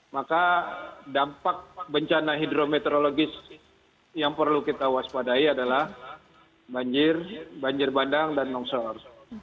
maka dampak bencana hidrometeorologis yang perlu kita waspadai adalah banjir banjir bandang dan longsor